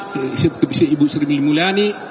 baik kepada ibu sri mulyani